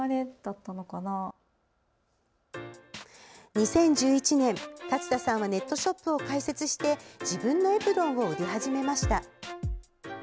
２０１１年、勝田さんはネットショップを開設して自分のエプロンを売り始めました。